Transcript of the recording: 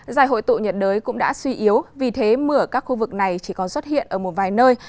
giải hội tụ nhiệt đới cũng đã suy yếu vì thế mưa ở các khu vực này chỉ còn xuất hiện ở một vài nơi